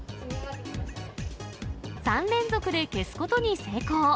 ３連続で消すことに成功。